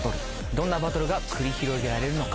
どんなバトルが繰り広げられるのか？